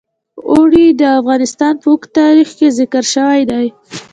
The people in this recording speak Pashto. اوړي د افغانستان په اوږده تاریخ کې ذکر شوی دی.